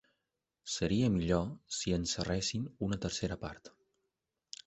Seria millor si en serressin una tercera part.